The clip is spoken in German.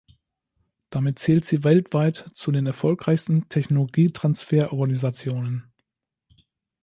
Damit zählt sie weltweit zu den erfolgreichsten Technologietransfer-Organisationen.